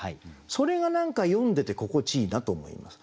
それが何か読んでて心地いいなと思います。